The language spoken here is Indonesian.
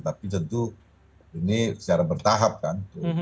tapi tentu ini secara bertahap kan